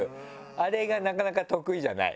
あれがなかなか得意じゃない？